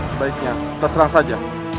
sebaiknya terserah saja